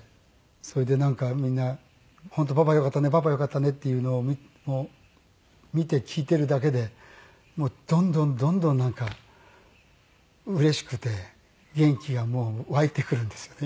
それでなんかみんな「本当パパよかったねパパよかったね」っていうのを見て聞いてるだけでどんどんどんどんなんかうれしくて元気が湧いてくるんですよね